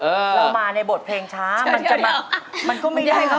เรามาในบทเพลงช้ามันก็ไม่ได้เขา